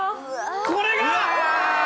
これが。